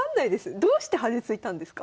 どうして端突いたんですか？